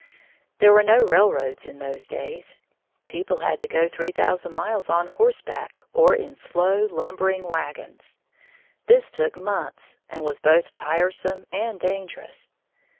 There were no railroads in those days. People had to go three thousand miles on horseback or in slow, lumbering wagons. This took months and was both tiresome and dangerous.